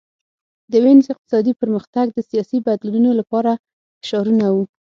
د وینز اقتصادي پرمختګ د سیاسي بدلونونو لپاره فشارونه وو